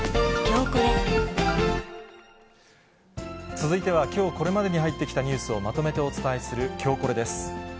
続いてはきょうこれまでに入っているニュースをまとめてお伝えするきょうコレです。